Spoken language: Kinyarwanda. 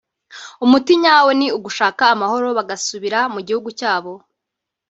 umuti nyawo ni ugushaka amahoro bagasubira mu gihugu cyabo